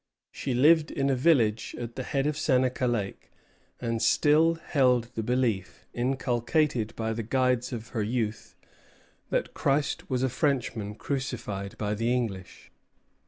She lived in a village at the head of Seneca Lake, and still held the belief, inculcated by the guides of her youth, that Christ was a Frenchman crucified by the English.